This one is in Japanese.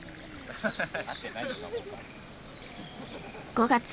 ５月。